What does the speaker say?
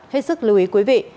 hết sức lưu ý quý vị